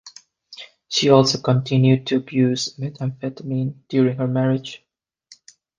She also continued to abuse methamphetamine during her marriage.